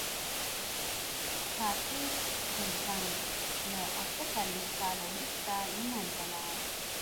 چارټېست غورځنګ له اته څلوېښت کال وروسته له منځه لاړ.